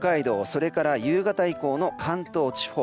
それから夕方以降の関東地方